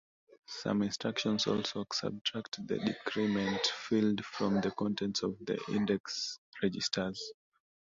Some instructions also subtract the "decrement" field from the contents of the index registers.